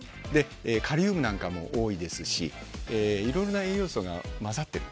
カリウムなんかも多いですしいろんな栄養素が混ざっている。